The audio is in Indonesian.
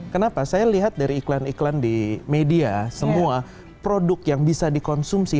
kenapa saya lihat dari iklan iklan di media semua produk yang bisa dikonsumsi